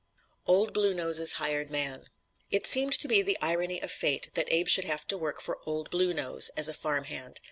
"OLD BLUE NOSE'S" HIRED MAN It seemed to be the "irony of fate" that Abe should have to work for "Old Blue Nose" as a farm hand.